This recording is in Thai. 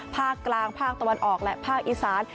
ภาคกลางภาคตะวันออกและภาคอีสาน